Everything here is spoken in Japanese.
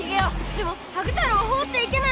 でもハグ太郎をほうって行けない！